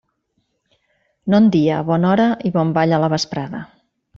Non dia, bona hora i bon ball a la vesprada.